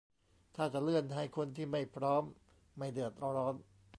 ถ้าจะเลื่อนให้คนที่ไม่พร้อมไม่เดือดร้อน